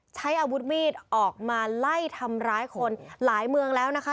ใช้อาวุธมีดออกมาไล่ทำร้ายคนหลายเมืองแล้วนะคะ